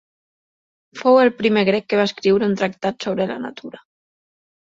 Fou el primer grec que va escriure un tractat sobre la natura.